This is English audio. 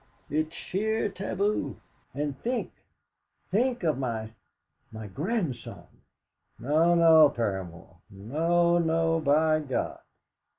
It's sheer taboo! And think think of my my grandson! No, no, Paramor; no, no, by God!"